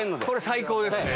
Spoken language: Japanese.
最高ですね。